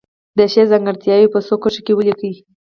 د شعر ځانګړتیاوې په څو کرښو کې ولیکي.